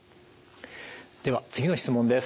では次の質問です。